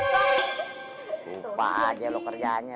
lupa aja lo kerjaannya